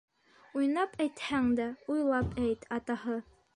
Уйнап әйтһәң дә, уйлап әйт, атаһы!